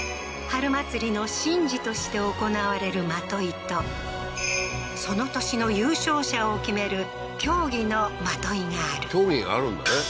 春祭りの神事として行われる的射とその年の優勝者を決める競技の的射がある競技があるんだね